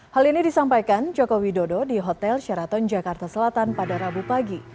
hal ini disampaikan jokowi dodo di hotel sheraton jakarta selatan pada rabu pagi